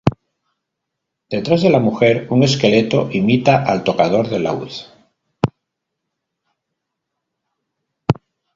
Detrás de la mujer un esqueleto imita al tocador de laúd.